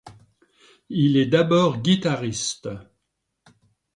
Il est d’abord guitariste.